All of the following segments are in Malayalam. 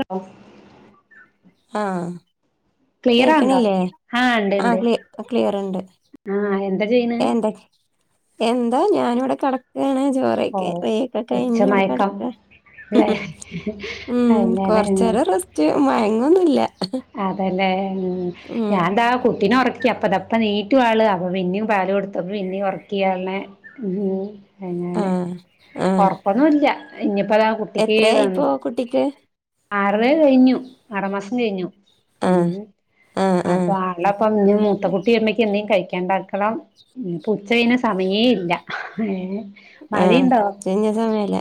ഹെലോ ആഹ് കേക്കണില്ലേ ഇണ്ട് ആഹ് ഇണ്ട് ക്ലി ക്ലിയർണ്ട് ആഹ് എന്താ ചെയ്യണ് എന്തൊ എന്താ ഞാനിവിടെ കെടക്കാണ് ഓ ജോറേക്ക് വെയി ഒക്കെ കഴിഞ്ഞ് ഇവിടെ ഉച്ചമയക്കം കെടക്കാ ഉം ല്ലേ ഹും ഉം അങ്ങനെ കൊറച്ചേരം റസ്റ്റ് മയങ്ങൊന്നുല്ല അതെലെ ഉം ഞാൻ താ കുട്ടീനെ ഉറക്കി അപ്പതാ ഇപ്പം നീറ്റു ആള് അപ്പം പിന്നിം പാല് കൊടുത്തു അപ്പം പിന്നിം ഒർക്കി ആളിനെ ഉം ഹ് അങ്ങനെ ആഹ് ആഹ് ഒർക്കൊന്നും ഇല്ല ഇനിയിപ്പതാ കുട്ടിക്ക് എത്രയായിപ്പോ കുട്ടിക്ക് അററര കഴിഞ്ഞു ആ റാം മാസം കഴിഞ്ഞു ആഹ് അങ്ങനെ ആഹ് ആഹ് അപ്പൊ ആളപ്പ ഇഞ്ഞ് മൂത്ത കുട്ടി വരുമ്പ ത്തേക്ക് എന്തേം കഴിക്കാണ്ടാക്കണം പിന്നെപ്പോ ഉച്ച കഴിഞ്ഞാ സമയേ ഇല്ല ഏഹ് ആഹ് ഉച്ച കഴിഞ്ഞാ സമയല്ല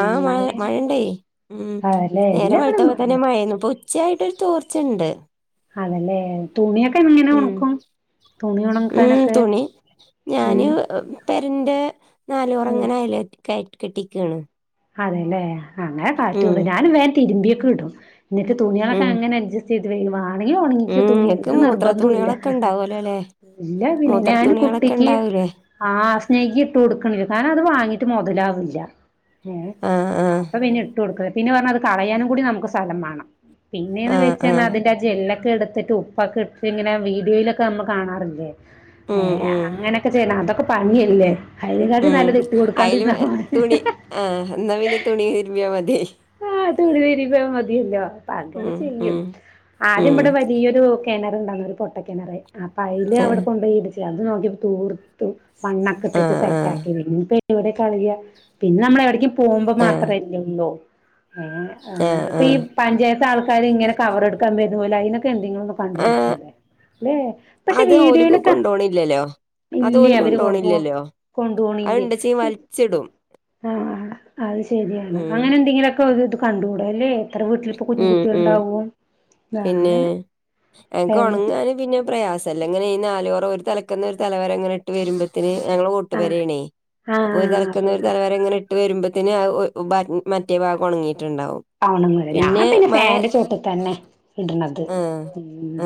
ആഹ് മഴ മഴ ഉണ്ടെ ഉം അതല്ലേ നേരെം എല്ലാവിടേം വെളുത്തപ്പ മഴ തന്നെ മഴേന്നു ഇപ്പൊ ഉച്ചായായിട്ടരു തോർച്ചയുണ്ട് അതന്നെ തുണിയൊക്കെ എങ്ങനെ ഉം ഉണക്കും തുണി ഉം ഉണക്കാനൊക്കെ തുണി ഉം ഞാന് പെരന്റെ നാലോറം ഉം ഇങ്ങനെ അയല് കെ കെട്ടിക്കാണ് അതെല്ലേ അങ്ങനെ ഉം കാറ്റുള്ളൂ ഞാനും വേൻ തിരുമ്പിയൊക്കെ ഇടും എന്നിട്ട് തുണിയോളൊക്കെ ഉം അങ്ങനെ അഡ്ജ ചെയ്ത് വ്യുവാണെങ്കിൽ ഉം ഒണങ്ങിക്ക തുണി ഇങ്ങക്ക് മൂത്ര നിർബന്ധവ ഇല്ല തുണികളൊക്കെ ഉണ്ടാവൂലോല്ലേ ഇല്ല പിന്നെ മൂത്ര ഞാൻ തുണികളൊക്കെ കുട്ടിക്ക് ഉണ്ടാവൂലേ ആഹ് സ്നഗ്ഗി ഇട്ട് കൊടുക്കണില്ല കാരണം അത് വാങ്ങിട്ട് മുതലാാവില്ല ഏഹ് ആഹ് ആഹ് അപ്പൊ പിന്നെ ഇട്ട് കൊടുക്കത് പിന്നെ പറഞ്ഞ അത് കളയാനും കൂടി നമുക്ക് സ്ഥലം വേണം പിന്നെയന്ന് ആഹ് വെച്ച ആഹ് അതിന്റെ ജെല്ലൊക്കെ എടുത്തിട്ട് ഉപ്പൊക്കെ ഇട്ട് ഇങ്ങനെ വീഡിയോയിലൊക്കെ നമ്മൾ കാണാറില്ലേ ഉം ഏഹ് ഉം അങ്ങനെയൊക്കെ ചെയ്യണം അതൊക്കെ പണിയല്ലേ അയതിനക്കാട്ടി ഉം നല്ലതെട്ടി അയില് കൊടുക്കാണ്ടിുന്ന പോരെ തുണി ആഹ് ഇന്നാ പിന്നെ തുണി തിരുമിയ മതി ആഹ് അതൊ ഒരു തരിപയാ മതിയല്ലോ അപ്പൊ അങ്ങാണ് ഉം ചെയ്യും ഉം ആദ്യം ഉം ഇമ്മടെ വലിയൊരു കിണർുണ്ടാന്ന ഒരു പൊട്ട കിണർ അപ്പ അല് ആഹ് അവിടെ കൊണ്ടപ പോയി ഇച്ചു അത് നോക്കിയപ്പോ തൂ മണ്ണൊക്കെ ഇട്ടിട്ട് സെറ്റ് ആഹ് ആക്കി പി എവിടെ കള പിന്നെ നമ്മളെവിടക്കും പോകുമ്പോ ആഹ് മാത്രല്ലല്ലോ ഏഹ് ആഹ് അങ്ങനെ ആഹ് ഇപ്പൊ ഈ ആഹ് പഞ്ചായത്ത് ആൾക്കാര്രി ഇങ്ങനെവർ എടുക്കാൻ വരുന്ന പോലെ അതിനൊക്കെ എന്തെങ്കിലും ആഹ് കണ്ട്പിടിച്ചുല്ലേ അല്ലെ പക്ഷെ അത് ഓല്ക്ക് വീഡിയോയിലൊക്കെ കൊണ്ടോണില്ലല്ലോ അത് ഇല്ലേ ഓല് അവര് കൊണ്ടപോ കൊണ്ടോണില്ലല്ലോ കൊണ്ട അത് പോണില്ലേ ഇണ്ടച്ചി വലിച്ചിടും ആഹ് അത് ശരിയാണ് ഉം അങ്ങനെ എന്തെങ്കിലുംക്കെ ഇത് കണ്ടുകൂട അല്ലെ ഇത്ര വീട്ടിപ്പപ്പോ ഉം ഉം കുഞ്ഞുട്ടികളണ്ടാവും പിന്നെ എനക്ക് എന്നിട്ട് ഉണങ്ങാന് പിന്നെ പ്രയാസം അല്ലേ അങ്ങനെ ഈ നാലോറ ഒരു തലക്കന്ന് ഒരു തലവരംങ്ങന ട്ട് വരുമ്പോന് ഞങ്ങൾ വോട്ട് ആഹ് വരയണേ അപ്പോ ഇത് ആഹ് അപ്പൊ നടക്കുന്ന ഒരു പിന്നെ തലവരങ്ങനെ ഇ്ട്ട് വരുമ്പോത്തന് മറ്റോഗ ഉണങ്ങിയിട്ടുണ്ടാവും ആണന്ന് ഞാൻ പിന്നെ ഫാന്റെ ചോട്ട തന്നെ ഇടണത് ആഹ്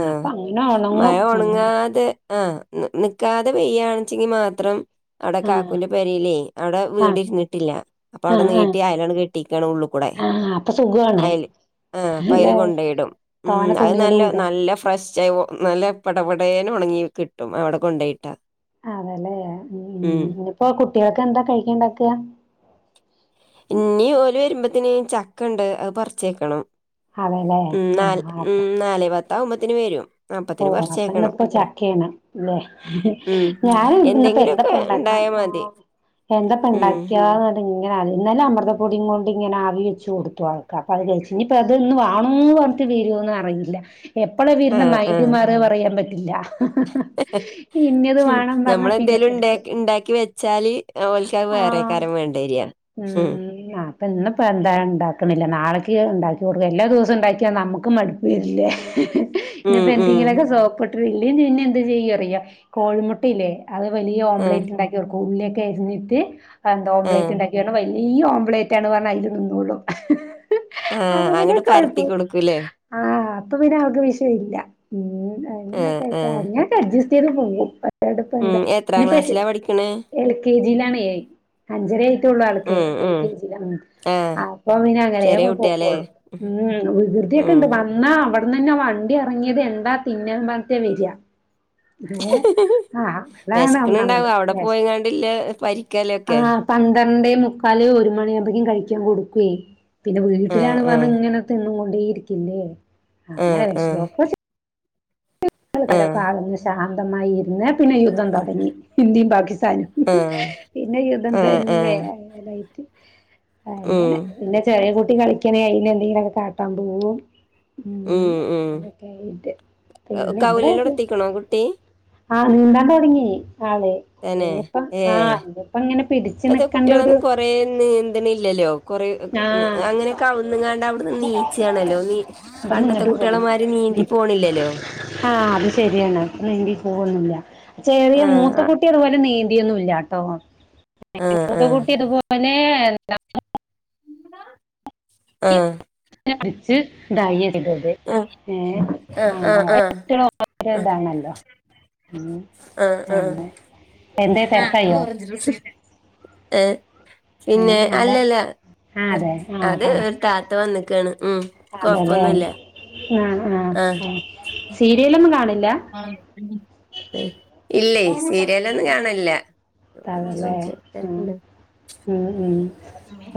ആഹ് അപ്പൊ അങ്ങനെ ഒണങ്ങും മഴ ഒണങ്ങാതെ ആഹ് നിക്കാതെ പെയ്യയാണച്ചെങ്കി മാത്രം അവിടെ ആഹ് കാക്കുന്റെ പേരില്ലേ അവിടെ ആഹ് വീട് ഇരുന്നിട്ടില്ല അപ്പൊ അവിടെ ആഹ് ആഹ് നീട്ടി അയാലോണ് കെട്ടിയിക്കാണ് ഉുള്ള കൂടെ ആഹ് അപ്പൊ സുഖാണ് അയൽ ആഹ് അപ്പയില് അല്ലെ കൊണ്ടയിടും ഉം തോനെ അത് നല്ല തുണികളും നല്ല. ഇടാ നല്ല ഫ്രഷ് ആയി നല്ല പടപടയേന ഉണങ്ങി കിട്ടും അവിടെ കൊണ്ടോയിട്ടാ. അതല്ലെ ഉം ഇനിയിപ്പോ കുട്ട്യേൾക്ക് എന്താ കഴിക്കണ്ടാക്ക. ഇഞ്ഞി ഓല് വരുമ്പോത്തിന് ചക്കണ്ട് അത് പറിച്ചേക്കണം. അതെല്ലേ ഉം നാല് ആഹ് അപ്പ ഉം നാലേ പത്താവുമ്പത്തിന് വരും. ഓ അപ്പത്തിന് അപ്പൊ പറിച്ചേക്കണം ഇന്നിപ്പോ ചക്കയാണ് ല്ലേ ഉം ഞാന് എന്തെങ്കിലുക്കെ ഉണ്ടായാൽ മതി. [unintelligible] ഉം എന്തപ്പണ്ടാക്കിയ. ഇങ്ങനെ ഇന്നലെ അമൃതപ്പൊടിയും കൊണ്ട് ഇങ്ങെനെ ആവി വെച്ച് കൊടുത്തു ആൾക് അപ്പ അത് കഴിച്ച് ഇനിപ്പ അത്ന് വാണോ. വരുവോന്ന് അറിയില്ല എപ്പള ആഹ് വരുന്നമായി ആഹ് മൈൻ്റ്മാറ് പറയാപറ്റില്ല ഇന്നത് വേണം പറഞ്ഞാ പിന്നെ പിടിച്. വച്ചാല് ഒൾക്കാ വേറെകാരം വേണ്ടര ഉം ഇപ്പം ഇന്നിപ്പോ എന്താണ്ടാക്ക്ണില്ല നാളേക്ക് ഉണ്ടാക്കി കൊടുക്ക എല്ലാ ദിവസവും ഉണ്ടാക്കിയാ നമുക്ക് മടുപ്പ് വരില്ലേ [unintelligible] ഉം ഇന്പ്പോ ഉം എന്തെങ്കിലുക്കെ സോപ്പിട് ഇല്ലേ പിന്നെ എന്ത്ചെയ്യ അറിയ കോഴിമുട്ടയില്ലേ. അത് വലിയ ആഹ് ഓംലേറ്റ് ഉണ്ടാക്കി കൊട്ക്കും ഉള്ളിയൊക്കെ അരിഞ്ഞിട്ട് എന്ത ആഹ് ഓംലേറ്റ് ഉണ്ടാക്കി. വലിയ ഓംലേറ്റ് ആണ് പറഞ്ഞ അതില് നിന്നൂളും. ആഹ് അങ്ങോട്ട് പരത്തി കൊടുക്കൂല്ലേ. ആഹ് ഇപ്പൊപിന്നെ അവക്ക് വിഷയല്ല ഉം ആഹ് ആഹ് അങ്ങനക്കായിട്ടാണ്. അഡ്ജസ്റ്റ് ചെയ്ത് പോകും അല്ലാതപ്പ എന്ത. പിന്നെ എൽ കെ ജിയിലാണ് അഞ്ചര ആയിട്ടുള്ള ആൾക്ക് ഉം എൽ ഉം കെ ജിയില. ആഹ് അപ്പൊ പിനെ ചെറിയ അങ്ങനെയൊക്കെ കുട്ടിയാല്ലേ പൊക്കോളൂ ഉം ഉം വികൃതിയൊക്കെണ്ട്. എന്നാ അവിടെന്നന്നെ വണ്ടി ഇറങ്ങിയത് എന്താ തിന്നാ പറഞ്ട്ടാവര. ഏ ആഹ് അതാണ് ഒന്നാമത് വെശ്ക് ല്ലേ പരി ക്കല്ലേ ഒക്കെ. പന്ത്രണ്ടേ മുക്കാല് ഒരു മണിയാകുമ്പോക്കും കഴിക്കാൻ കൊടുക്കുവേ പിന്നെ ആഹ് വീട്ടിലാണ് പറഞ്ഞ് ആഹ് ഇങ്ങനെ. തിന്നുംകൊണ്ടേരിക്കല്ലേ അങ്ങനെ ആഹ് ആഹ് വിഷക്ക. ആഹ് രൊക്കെ ആളന്ന് ശാന്തമായി ഇരുന്ന് പിന്നെ യുദ്ധം തുടങ്ങി ഇന്ത്യയും പാകിസ്ഥാനും. ആഹ് പിന്നെ യുദ്ധം ആഹ് തന്നെ ആഹ് അങ്ങനായ്റ്റ് അങ്ങനെ ഉം പിന്നെ. ചെറിയ കുട്ടി കളിക്കണേ അയിനെ ന്തെങ്കിലുക്കെ കാട്ടാൻ പോകും. ഉം അങ്ങനെയക്കെ ആയിട്ട് പോന്ന് കൗലലൊടത്തിക്കണോ കുട്ടി. ആഹ് നീന്താൻ തുടങ്ങി ആളെ. തന്നെ ഇനിയിപ്പ ആ ഏഹ് ഇനിപ്പോ ഇങ്ങനെ പിടിച്ച് നക്കണ്ട ഒരു. പ്പയ്ന് നീന്ത്ണില്ലല്ലോ. കൊറെേ ആ അങ്ങനെക്കവുന്നങ്ങാണ്ട് അവിടുന്ന് നീച്ചണല്ലോ നീ. ഇവിടുന്ന് പണ്ടത്തെ ഇങ്ങോട്ട് കുട്ടിയോളെമാരി നീന്തി പോണില്ലല്ലോ. ആഹ് അത് ശരിയാണ് നീന്തി പോവൊന്നുല്ല. ചെറിയ ആഹ് മൂത്തക്കുട്ടി അതുപോലെ നീന്തിയൊന്നും ഇല്ലാട്ടോ. ആഹ് ആഹ് മൂത്തകൂട്ടി ഇത് പോലെ എന്ത ആഹ് ങ്ങനെഅടിച്ച് തയ്യ ഇതു പോലെ ഏഹ് ആഹ് അങ്ങനെ ആഹ് ഓരോ ആഹ് ട്ടി യോള് ഓരോ ആഹ് താണല്ലോ. മ് ആഹ് അ ആഹ് യെന്നെ ആഹ് ഏഹ് ഏ പിന്നെ ആരാ അല്ലല്ല ആ അതെ ആ അത് പറ ഒരു താത്ത വന്ന്ക്കാണ് ഉം കൊഴപ്പൊന്നുല്ല. ആഹ് ആഹ് സീരിയലൊന്നും കാണില്ല. [unintelligible] ഇല്ലേ സീരിയലൊന്നും കാണേല്ല. താണ്ലേ ഉം ഉം ഉം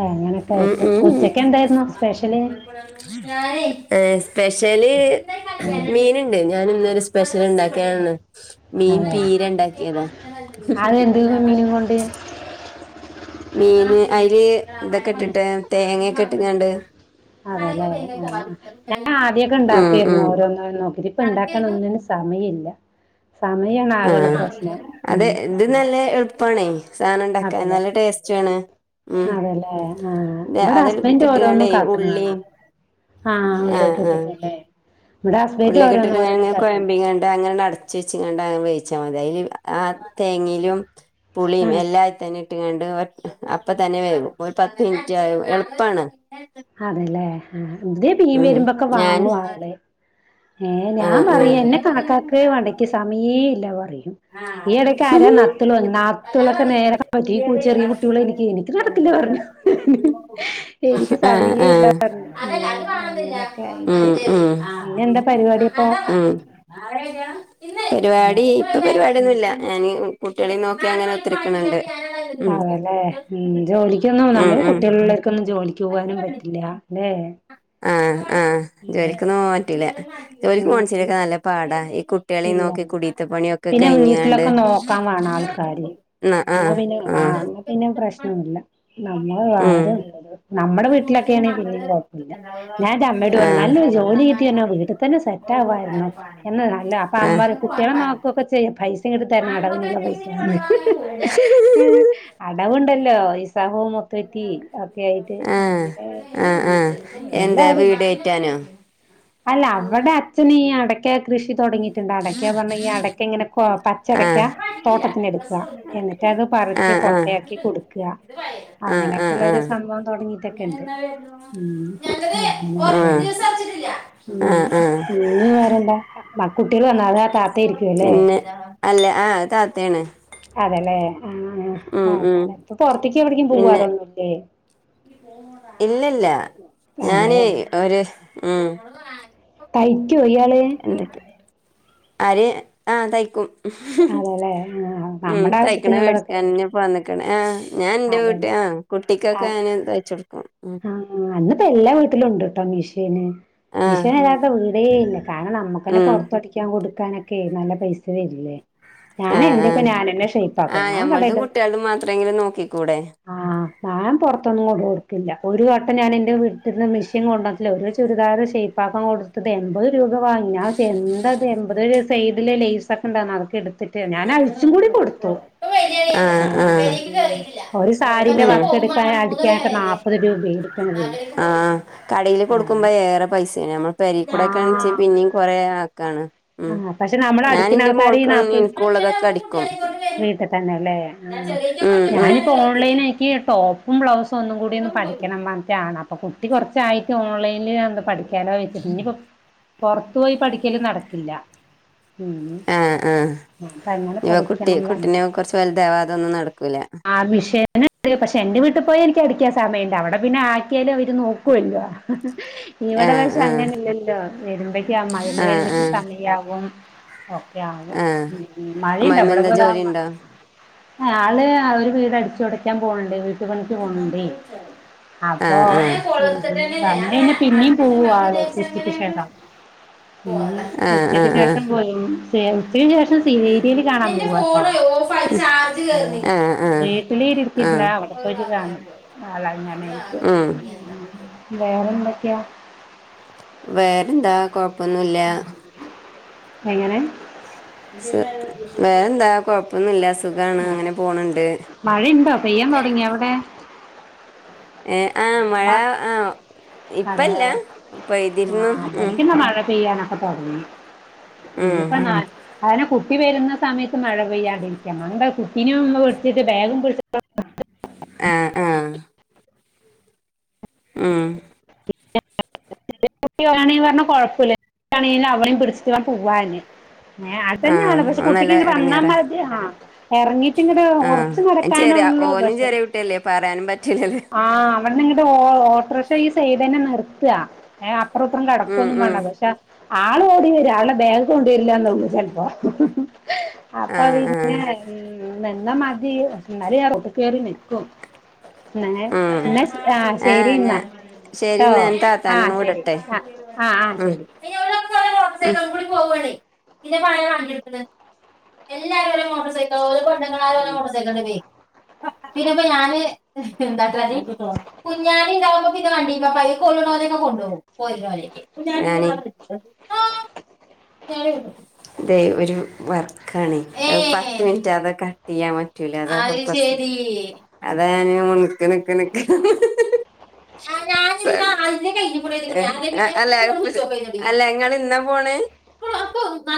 അങ്ങനെയൊക്കെ ഉം ആയിട്ട് ഉം ഉച്ചക്ക എന്തായിരുന്നു സ്പെഷ്യല് ഏഹ് സ്പഷ്യല് മീന് ണ്ട് ഞാന് ഇന്നൊരു സ്പെഷ്യൽ ണ്ടാക്ക്യാണ് മീൻ അതെ പീര ണ്ടാക്കിയതാ അത് എന്ത് മീനും കൊണ്ട് മീൻ അയ്ല് ഇതൊക്കെ ഇട്ടിട്ട് തേങ്ങൊക്കെ ഇട്ട് കാണ്ട് അതെല്ലെ ആഹ് ഞാൻ ആദ്യക്കെ ഉം ഉണ്ടാക്കായിരുന്നു ഉം ഓരോന്നോ രോന്ന് നോക്കി ഇപ്പ ഇണ്ടാക്കാഞ്ഞ് ഒിന്നിനു സമയമല്ല സമയാണ് ആകള്ള ആഹ് പ്രശ്നം ഉം ആഹ് ൾപ്പാണേ സാനം ണ്ടാക്കാൻ നല്ല ടേസ് റ്റു വാണ് ഉം അതെല്ലേ ആ ഇവിടെ അതൊക്കെ ഹസ്ബൻഡ് ട്ട്ക്കാണ്ടേ ഓരോന്നും കാട്ടണ ഉള്ളിമ് കാണാം ആ ആഹ് ഉള്ളിലേക്ക് ആഹ് ഇട്ടിട്ടല്ലേ ഇവിടെ ഹസ്ബൻഡ് ഉള്ളിക്കെ ഓരോന്ന് ഇട്ടിട്ട് ങ്ങനെ ഓരോന്ന് ങ്ങനെ കാട്ടും കൊയമ്പിങ്ങാണ്ട് അങ്ങനെ ട്ട് അട ച്ച് കാണ്ട് ങ്ങനെ വേവിച്ചാ മതി അ യില് ആഹ് തേങ്ങിലും പുളിം ആ എല്ലാ അയിതന്നെ ണ്ട് കാണ്ട് ഒ അപ്പ തന്നെ വേവും ഒര് പത്ത് മിനിറ്റ് ആ എളുപ്പാണ് ആണ്ല്ലേ ആഹ് ഇതി മീൻ ഉം വരുമ്പെക്കെ ഞാൻ വാങ്ങു ആള് ഏഹ് ഞാൻ ആഹ് പറിം എന്നെ കാക്കാക്ക് വാണ്ട ഇക്ക് ആഹ് സാ മയേ ഇല്ലാ പറയും ഈയിടയ്ക്ക് ആരാ നത്തൽ വന്ന് നത്ത ലൊക്കെ നേര പറ്റി ഈ കു ചെറിയ കുട്ടികള എനിക്ക് എനിക്ക് നടത്തില്ല പറഞ്ഞു എനിക്ക് ആ ആ സമയല്ല പറ്ഞ്ഞു ഉം അങ്ങനെയൊക്കെ ആയിട്ട് ഉം പിന്നെ എന്താ പരിപാടി അപ്പൊ ആഹ് ഏ പരിപാടി ഇപ്പൊ പരിപാടിന്നുല്ല ഞാനീ കുട്ടിയോളി നോക്കി അങ്ങനെ കുത്തര്ക്ക്ണ് ണ്ട് അതെല്ലെ ഉം ജോലിക്കൊന്നും നമ ഉം ള്ള് ഉം കുട്ടിയോള് ള്ളവർക്കൊന്നും ജോലിക്ക് പോവാനും പറ്റില്ല ഏ ഏ ആഹ്ആഹ് ജോലിക്കൊന്നും പോ പറ്റില്ല ജോലിക്ക് ഉം പോകണ്ച്ചിലൊക്കെ നല്ല പാടാ ഈ കു കുട്ട്യേളിം നോക്കി ഇല്ല കുടീത്ത പണിയൊക്കെ പിന്നെ കഴിഞ്ഞ് കാണ്ട് വീട്ടിലൊക്കെ ന്നാ പിന്നെ ആഹ് ന്നാ പിന്നെ പ്രശ്നൊന്നുല്ല നമ്മളല്ല ഉം ആരും നമ്മടെ വീട്ടിലൊക്കേണെ പിന്നിം കൊയ്പ്പല്ല. ഞാൻന്റെ അമ്മയോട് പറഞ്ഞു നല്ലൊരു ജോലി ആ കിട്ടിയർണാ വീട്ട് തന്നെ സെ റ്റാവായിരുന്നു. എന്ന് അല്ല അപ്പ ആ അമ്മറിം കുട്ടിയേളെ നോക്കുവൊക്കെ ചെയ്യ പൈസ ങ്ങട് ത്തരണം അടവിനുള്ള പൈസാന്ന് ഏഹ് അടവുണ്ടല്ലോ ലിസാഹും മുത്തുറ്റി ഒക്കെ ആയിട്ട് ആഹ് [unintelligible] എല്ലാടും ല്ലതാ റ്റാനൊ അല്ല അവടെ അച്ഛന് ഈ അടക്ക കൃഷി തൊടങ്ങി ണ്ട അടക്ക പറഞ്ഞ ഈ അടക്ക ഇങ്ങനെ കൊ ആഹ് പച്ചടക്കാ തോട്ടത്തിന് എടുക്കാ എന്നിട്ട് അത് പറിച്ച് ആഹ് ആഹ് കൊട്ടയാക്കി കൊടുക്കാ ആഹ് ആഹ് അങ്ങനെയൊക്കെയുള്ളൊരു ആഹ് സംഭവം തുടങ്ങീട്ടൊക്കെ ഇണ്ട്. ഉം അങ്ങനെയൊക്കായിട്ട് ഉം ആഹ് ആഹ് പിന്ന് വേറെന്താ അ മ് കുട്ടിയേൾ വന്നോ അതാ ആ താ പിന്നെ അല്ല ആഹ് താത്തേണ് അതെല്ലെ ആഹ് ഉം അതാണെ ഇപ്പൊ പൊറത്ത്യ്ക്ക് എവിട്ക്കും പിന്നെ പോവാറൊന്നുംല്ലേ ഇല്ലല്ല അതെ ഞാന് ഒരു ഉം തയ്ക്ക്യൊ ഇയാള്? എന്തൊക്ക ആര് ആഹ് തയ്ക്കും. അതെല്ലേ ആ ഉം നമ്മുടെ തയ്ക്കണ ആവശ്യത്തിനുള്ളതൊക്കെ മേടിക്കാൻന്നെ കൊണ്ന്ന്ക്ണ് ആഹ് ഞാൻ ഇന്റെ വീട്ടിൽ അതെല്ലേ ആഹ് കുട്ടിക്കൊക്കെ ആ ഞാന് തയ്ച്ചൊടു ആഹ് ന്ന് പ്പോ എല്ലാ വീട്ടിലും ഉണ്ട് ട്ടോ മിഷീന് ആഹ് മിഷീനില്ലാത്ത വീടേ ഇല്ല കാരണം നമ്മക്കന്നെ ഉം പൊറത്തടി ക്കാൻ കൊടുക്കാനൊക്കെ നല്ല പൈസ വരില്ലേ ഞാൻ ആഹ് എന്റെയൊക്കെ ആഹ് ഞാനന്നെ ഷയിപ്പാക്ക ആഹ് ഞാൻ ഞമ്മൾതും കടയിലൊന്നും കുട്ട്യാൾതും മാത്രെങ്കിലും നോക്കിക്കൂടെ ആഹ് ഞാൻ പൊറത്തൊന്നും കൊണ്ടയൊടു ക്ക്ല്ല. ഒരു വട്ടം ഞാൻ എന്റെ വീട്ടിന്ന് മിഷീൻ കൊണ്ടുവന്നിട്ടില്ല ഒരു ചുരിദാർ ഷേപ്പാക്കാൻ കൊട് ഇത് എൺപത് രൂപ വാങ്ങി. ഞാൻ ചോയ്ച്ച് എന്താത് എൺപത് രൂ സൈഡില് ലേസ് ഒക്കെ ഉണ്ടാർന്ന് അതക്കെ എട് ത്തിട്ട് ഞാൻ അഴിച്ചും കൂടി കൊടുത്തു. ആഹ് ഉം അവര് സാരിന്റെ ഉം വക്കെടുക്കാനും അടിക്കാനൊക്കെ നാപ്പ ആഹ് കടേൽ കൊടുക്കുമ്പോ അങ്ങനെ ഏറെ പൈസേണ് നമ്മൾ പെരീ ക്കൂടക്കേൺന്ന്ച്ചിം ആഹ് പിന്നിം കൊറേ ആക്കാണ്. ഉം ആഹ് പക്ഷെ നമ്മള് അടിക്കുന്ന ഞാനിന്റെ ആൾക്കാര് ഈ മോൾക്ള്ളതും നാപ്പ് ഇൻ ക്കു ഉള്ളതൊക്കെ അടിക്കും വീട്ടിൽ തന്നെല്ലേ ഉം ഉം ക്കീ ടോപ്പും ബ്ലൗസും ഒന്നുംകൂടി ഒന്ന് പഠിക്കണം പർഞ്ഞിട്ടാണ് അപ്പൊ കുട്ടി കൊറച്ചായിട്ട് ഓൺലൈനില് ഞാനൊന്ന് പഠിക്കാലോ വെച്ചിട്ട് പൊറത്തു പോയി പഠിക്കല് നടക്കില്ല ഉം ആ ആ ഉം ആഹ് അപ്പങ്ങനെ ഇനിയിപ്പോ കുട്ടി പഠിക്കണം. കുട്ടിനെ [unintelligible] കുറച്ച് വലുതാവാതെ ഒന്നും നടക്കൂല ആ വിഷേ ന്ണ്ട്. പക്ഷെ എന്റെ വീട്ട് പോയ എനിക്ക് അടിക്കാൻ സമയണ്ട് അവിടെ പിന്നെ ആക്കിയാലും അവര് നോക്കുവല്ലോ ആ ഇവടെ പഷേ ആ അങ്ങനെ ഇല്ലല്ലോ വരുമ്പേക്ക് അമ്മായിമ്മ ആ ആ വരിമ്പേക്കും സമയാവും ഒക്കെ ആവും. ആ ഉം മഴയുണ്ടാ? അമ്മായിമ്മ എന്താ ഇവടെപ്പതാ ജോലി ഉണ്ടോ ആള് ആഹ് ഒര് വീട് അടിച്ച് തൊടക്കാൻ പോണ് ണ്ട് വീട്ട് പണിക്ക് പോണ് ണ്ടെ. ആ അപ്പൊ ആ ഇ വന്ന്‌ കഴിഞ്ഞാ പിന്നിം പോവു ആള് ഉച്ചിക്ക് ശേഷം ഉം ഇന്ന് ആ ആ ഉച്ചയ്ക്ക് ആ ശേഷം പോയിനി ഉച്ചക്ക് ശേഷം സീരിയല് കാണാൻ പോവാട്ടോ. ഏഹ് ആ ആ വീട്ടിലിര് ആ ക്കിര്ന്നാ അവടെ പോയിട്ട് കാണും. ആളങ്ങനേയ്ട്ട്. ഉം വേറെന്തൊക്കെയാ? വേറെന്താ കൊഴപ്പൊന്നുല്ല. എങ്ങനെ? വേറെന്താ കൊഴപ്പ പ്പൊന്നുല്ല സുഖാണ് ആ അങ്ങനെ പോണണ്ട്. എവടെ? ഏഹ് ആഹ് മഴ ആഹ്. അതെ ഇപ്പല്ല പെയ്തിരുന്നു ഉം ആഹ് [unintelligible] മഴ പെയ്യനം. [unintelligible] ഉം ഇനീപ്പന്താ അതന്നെ കുട്ടി വരുന്ന സമയത്ത് മഴ പെയ്യാണ്ടിരിക്കാം, അതെന്താ കുട്ടീനേം ഒന്ന് വിളിച്ചിട്ട് ബാഗും പിടിച്ചു ആഹ് ആ. ആഹ് [unintelligible] [unintelligible] പറഞ്ഞാ കൊഴപ്പോല്ല [unintelligible] അവ്ടെയും പിടിച്ചിട്ട് [unintelligible] പോവ്വാന്. ഏഹ് അഹ് തന്നെയാണ് ആഹ് പക്ഷെ അത് കുട്ടിക്ക് നല്ല ഇങ്ങട് വന്നാ എടങ്ങേറാ മതി ആ ഇറങ്ങീട്ട് ഇങ്ങട് ഒറ എനിച്ചറിയാം ഓനും ചെറിയ കുട്ടിയല്ലേ പറയാനും പറ്റില്ലല്ലോ. ആഹ്, അവിടന്നിങ്ങട് ഓ ഓ ഓട്ടോറിക്ഷ ഈ സൈഡ്ന്നെ നിർത്താ ഏഹ്, അപ്പറോം ഇപ്പറോം ഉം കടക്കൊന്നും ഉം വേണ്ട പക്ഷെ ആള് ഓടി വരും ആളെ ബാഗ് കൊണ്ടരില്ലാന്നെ ഉള്ളു ചെലപ്പോ. അപ്പൊ ആഹ് പിന്നെ ആഹ് നിന്നാ മതി എന്നാലും ഞാ റൊട്ട്ക്ക്‌ കേറി നിക്കും. ന്നാ ഞാൻ ഉം ന്നാ ആഹ് ശരിന്നാ. ശരിന്നാ ഞാൻ താത്താനൊന്ന് വിടട്ടെ ആഹ് ആഹ് ആഹ് ഉം. ശരി [unintelligible] എല്ലാരും ഓരോ മോട്ടോർ സൈക്കിള് ഓര പെണ്ണുങ്ങള് [unintelligible] മോട്ടോ സൈക്കിൾ പോയി പിന്നപ്പ ഞാന് [unintelligible] ഞാന്. ഇതെ ഒരു വർക്കാനെയ്, അത് പത്ത് മിനിറ്റ് ആകാതെ കട്ടിയ്യാൻ പ [unintelligible] അതാ ഞാന് നിക്ക് നിക്ക് നിക്ക് അല്ല അല്ല ഇങ്ങളിന്നാ പോണ്? [unintelligible]